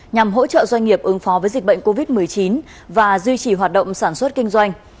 nhằm hỗ trợ doanh nghiệp ứng phó với dịch bệnh covid một mươi chín và duy trì hoạt động sản xuất kinh doanh